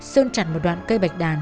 sơn chặt một đoạn cây bạch đàn